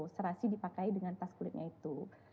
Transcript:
serasi dipakai dengan tas kulitnya itu